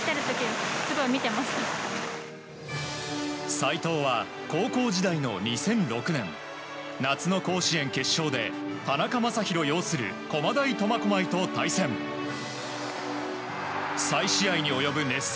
斎藤は高校時代の２００６年夏の甲子園決勝で田中将大擁する駒大苫小牧と対戦。